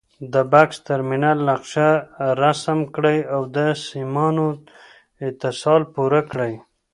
د بکس ټرمینل نقشه رسم کړئ او د سیمانو اتصال پوره کړئ.